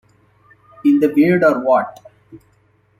In the Weird or What?